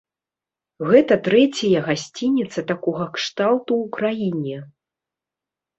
Гэта трэцяя гасцініца такога кшталту ў краіне.